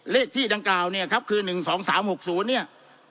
เลขที่ดังกล่าวเนี่ยครับคือหนึ่งสองสามหกศูนย์เนี่ย